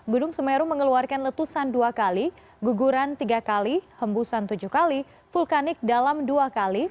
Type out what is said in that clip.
gunung semeru mengeluarkan letusan dua kali guguran tiga kali hembusan tujuh kali vulkanik dalam dua kali